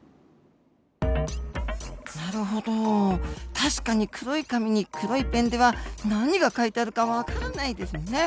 確かに黒い紙に黒いペンでは何が書いてあるか分からないですよね。